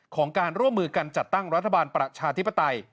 ของการร่วมมือกันจัดตั้งรัฐบาลประชาธิปไตย